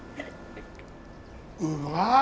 うまい！